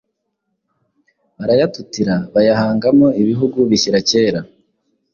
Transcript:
barayatutira bayahangamo ibihugu bishyira kera.